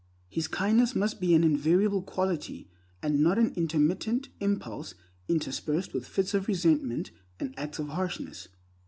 His kindness must be an invariable quality, and not an intermittent impulse interspersed with fits of resentment and acts of harshness.